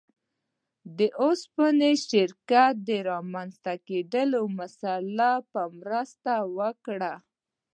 د اوسپنې شرکت د رامنځته کېدو مسأله به مرسته وکړي.